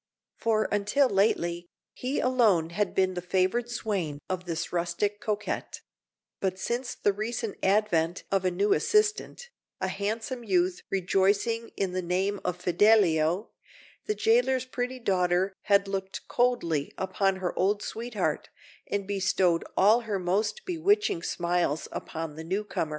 For until lately, he alone had been the favoured swain of this rustic coquette; but since the recent advent of a new assistant, a handsome youth rejoicing in the name of Fidelio, the jailer's pretty daughter had looked coldly upon her old sweetheart, and bestowed all her most bewitching smiles upon the newcomer.